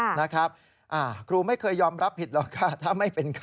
แล้วก็อยากให้เรื่องนี้จบไปเพราะว่ามันกระทบกระเทือนทั้งจิตใจของคุณครู